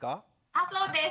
あそうです。